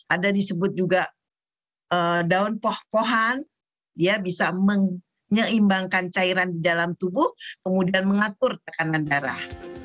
ada disebut juga daun poh pohan dia bisa menyeimbangkan cairan di dalam tubuh kemudian mengatur tekanan darah